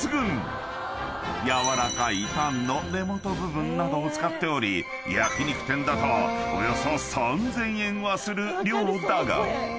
［軟らかいタンの根元部分などを使っており焼肉店だとおよそ３，０００円はする量だが］